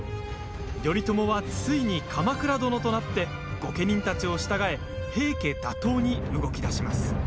頼朝はついに鎌倉殿となって御家人たちを従え平家打倒に動き出します。